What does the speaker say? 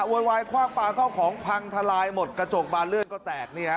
โวยวายคว่างปลาเข้าของพังทลายหมดกระจกบานเลือดก็แตกนี่ฮะ